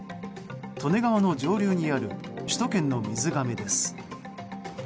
利根川の上流にある首都圏の水がめです。